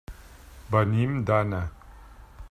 Venim d'Anna.